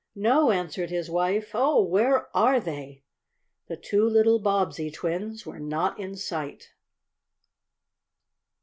"No," answered his wife. "Oh, where are they?" The two little Bobbsey twins were not in sight.